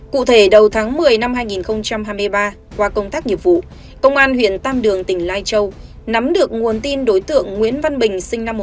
cụ thể đầu tháng một mươi năm hai nghìn hai mươi ba qua công tác nghiệp vụ công an huyện tam đường tỉnh lai châu nắm được nguồn tin đối tượng nguyễn văn bình sinh năm một nghìn chín trăm tám mươi ba